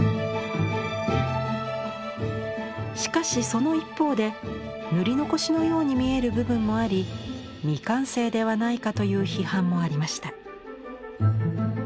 しかしその一方で塗り残しのように見える部分もあり未完成ではないかという批判もありました。